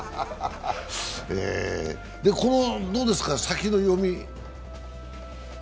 どうですか、先の読み。